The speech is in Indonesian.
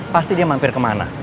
pasti dia mampir kemana